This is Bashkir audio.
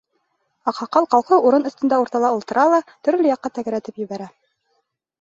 Аҡһаҡал ҡалҡыу урын өҫтөндә уртала ултыра ла төрлө яҡҡа тәгәрәтеп ебәрә.